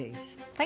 はい。